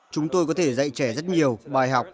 chúng tôi có thể dạy trẻ rất nhiều bài học